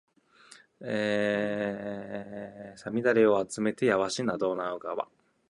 五月雨をあつめてやばしドナウ川